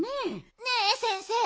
ねえ先生